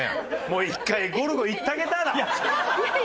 もう一回ゴルゴいってあげたら？